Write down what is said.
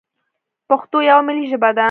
پښتو یوه ملي ژبه ده.